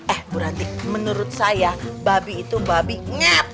eh bu ranti menurut saya babi itu babi ngep